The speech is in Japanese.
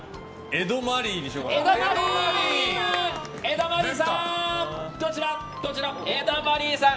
江戸マリーさん